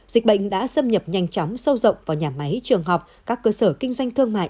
dịch bệnh đã xâm nhập nhanh chóng sâu rộng vào nhà máy trường học các cơ sở kinh doanh thương mại